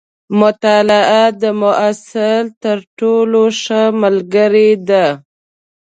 مطالعه د محصل تر ټولو ښه ملګرې ده.